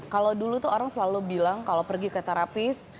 kalau dulu tuh orang selalu bilang kalau pergi ke terapis